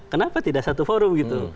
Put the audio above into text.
kenapa tidak satu forum